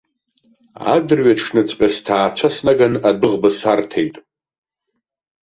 Адырҩаҽныҵәҟьа сҭаацәа снаган адәыӷба сарҭеит.